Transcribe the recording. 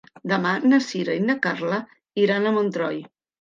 Demà na Sira i na Carla iran a Montroi.